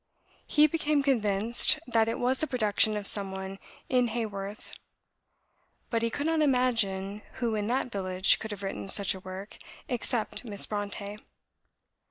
He became convinced that it was the production of some one in Haworth. But he could not imagine who in that village could have written such a work except Miss Brontë.